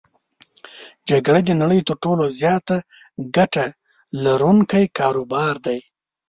جګړه د نړی تر ټولو زیاته ګټه لرونکی کاروبار دی.